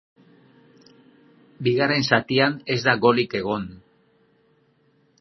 Bigarren zatian ez da golik egon.